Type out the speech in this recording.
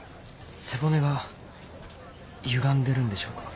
背骨がゆがんでるんでしょうか。